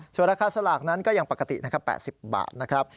ส่วนราคาสลากนั้นก็ยังปกตินะครับ๘๐บาทนะครับ